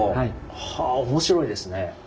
はぁ面白いですね。